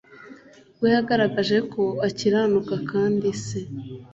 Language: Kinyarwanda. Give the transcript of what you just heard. bwo yagaragaje ko akiranuka kandi se